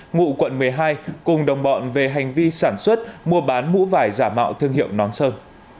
ngụ quận một mươi hai cùng đồng bọn về hành vi sản xuất mua bán mũ vải giả mạo thương hiệu nón sơn